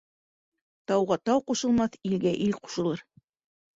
Тауға тау ҡушылмаҫ, илгә ил ҡушылыр.